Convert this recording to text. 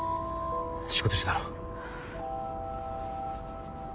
仕事中だろ。